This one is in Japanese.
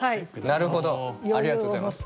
なるほどありがとうございます。